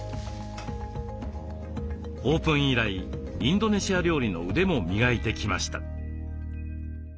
オープン以来インドネシア料理の腕も磨いてきました。